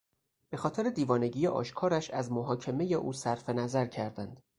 به خاطر دیوانگی آشکارش از محاکمهی او صرفنظر کردند.